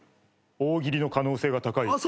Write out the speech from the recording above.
大喜利の可能性が高い。